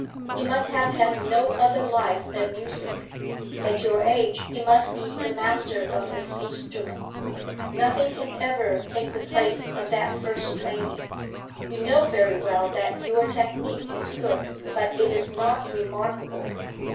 He must have had no other life than music. At your age he must be the master of his instrument. Nothing can ever take the place of that first training. You know very well that your technique is good, but it is not remarkable.